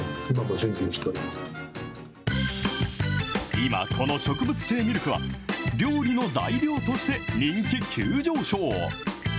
今、この植物性ミルクは、料理の材料として人気急上昇。